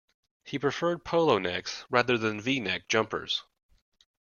He preferred polo necks rather than V-neck jumpers